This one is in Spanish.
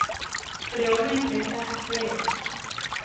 Creó la empresa Xerox.